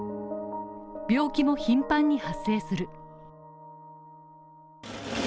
病気も頻繁に発生する。